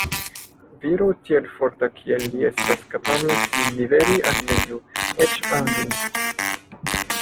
Viro tiel forta kiel li estas kapabla sin liveri al neniu, eĉ al mi.